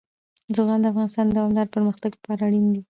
زغال د افغانستان د دوامداره پرمختګ لپاره اړین دي.